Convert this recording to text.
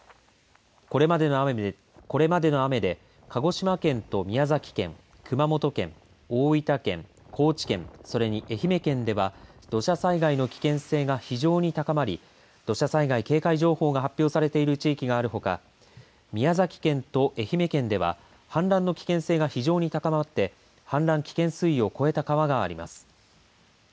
これまでの雨で鹿児島県と宮崎県熊本県、大分県、高知県それに愛媛県では土砂災害の危険性が非常に高まり土砂災害警戒情報が発表されている地域があるほか宮崎県と愛媛県では氾濫の危険性が非常に高まって氾濫危険水位を超えた川があります。